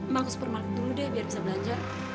mbak ke supermarket dulu deh biar bisa belanja